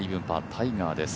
タイガーです。